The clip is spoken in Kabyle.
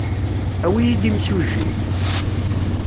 Awi-iyi-d imsujji.